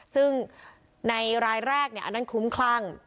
ซึ่งในรายแรกอันนั้นคุ้มคลั่ง